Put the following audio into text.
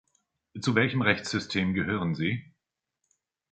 Zu welchem Rechtssystem gehören sie?